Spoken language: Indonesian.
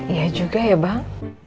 iya juga ya bang